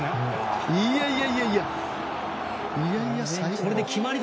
いやいやいや、最高。